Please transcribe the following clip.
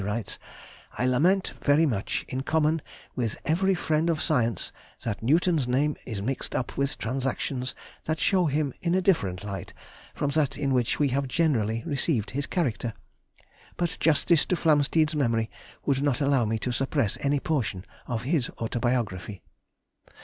writes:—"I lament very much, in common with every friend of science, that Newton's name is mixed up with transactions that show him in a different light from that in which we have generally received his character. But justice to Flamsteed's memory would not allow me to suppress any portion of his autobiography."